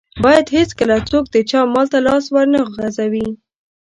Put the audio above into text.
بايد هيڅکله څوک د چا مال ته لاس ور و نه غزوي.